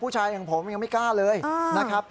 ผู้ชายของผมยังไม่กล้าเลยนะครับ